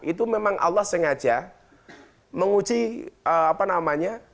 itu memang allah sengaja menguji apa namanya